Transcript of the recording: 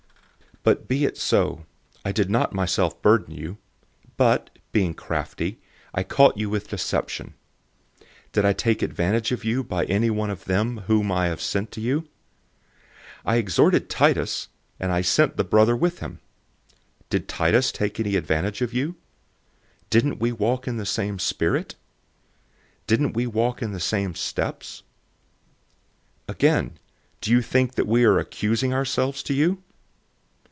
012:016 But be it so, I did not myself burden you. But, being crafty, I caught you with deception. 012:017 Did I take advantage of you by anyone of them whom I have sent to you? 012:018 I exhorted Titus, and I sent the brother with him. Did Titus take any advantage of you? Didn't we walk in the same spirit? Didn't we walk in the same steps? 012:019 Again, do you think that we are excusing ourselves to you?